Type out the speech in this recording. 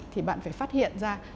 thì bạn phải phát hiện ra